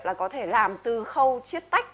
là có thể làm từ khâu chiết tách